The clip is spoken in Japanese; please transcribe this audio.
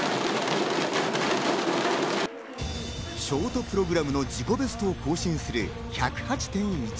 ショートプログラムの自己ベストを更新する１０８．１２。